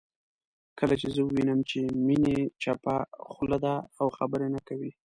کله چې زه ووينم چې میني چپه خوله ده او خبرې نه کوي